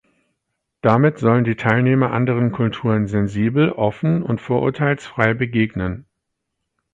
Damit sollen die Teilnehmer anderen Kulturen sensibel, offen und vorurteilsfrei begegnen.